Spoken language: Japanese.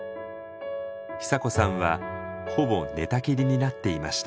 久子さんはほぼ寝たきりになっていました。